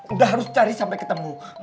udah harus cari sampai ketemu